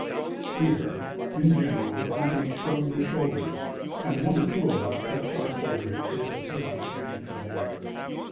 Here, in general, the company shrugged their shoulders, and one or two of us touched our foreheads with a very significant air.